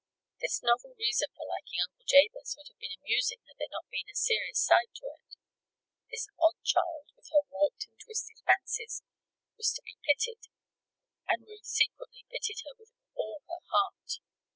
This novel reason for liking Uncle Jabez would have been amusing had there not been a serious side to it. This odd child, with her warped and twisted fancies, was to be pitied, and Ruth secretly pitied her with all her heart.